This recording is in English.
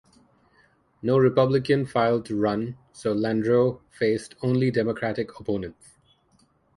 No Republican filed to run, so Landrieu faced only Democratic opponents.